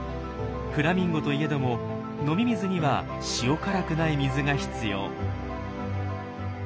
フラミンゴといえども飲み水には塩辛くない水が必要。